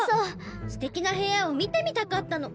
すてきなへやを見てみたかったの。